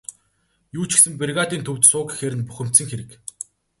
Юу ч гэсэн бригадын төвд суу гэхээр нь бухимдсан хэрэг.